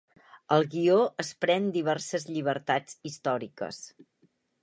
El guió es pren diverses llibertats històriques.